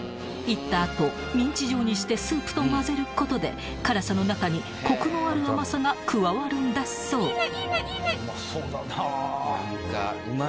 ［いった後ミンチ状にしてスープと混ぜることで辛さの中にコクのある甘さが加わるんだそう］